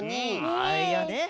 あいやね